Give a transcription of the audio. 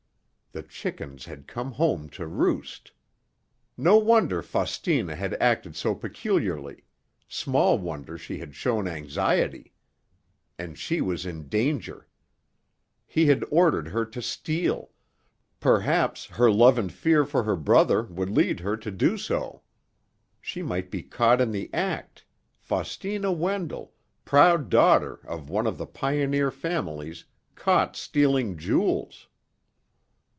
The chickens had come home to roost! No wonder Faustina had acted so peculiarly, small wonder she had shown anxiety! And she was in danger. He had ordered her to steal—perhaps her love and fear for her brother would lead her to do so. She might be caught in the act—Faustina Wendell, proud daughter of one of the pioneer families, caught stealing jewels!